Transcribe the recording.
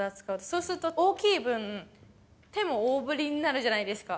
そうすると大きい分、手も大振りになるじゃないですか。